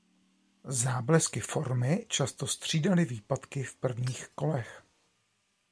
Záblesky formy často střídaly výpadky v prvních kolech.